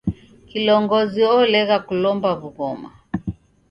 Kilongozi olegha kulomba w'ughoma.